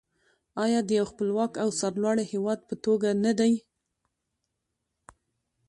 آیا د یو خپلواک او سرلوړي هیواد په توګه نه دی؟